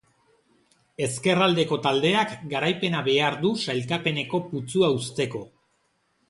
Ezkerraldeko taldeak garaipena behar du sailkapeneko putzua uzteko.